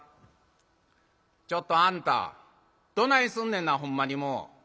「ちょっとあんたどないすんねんなほんまにもう」。